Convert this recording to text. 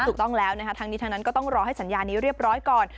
ถูกต้องแล้วนะคะทั้งนี้ทั้งนั้นก็ต้องรอให้สัญญานี้เรียบร้อยก่อน